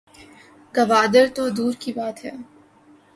گوادر تو دور کی بات ہے